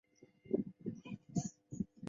呈覆斗形。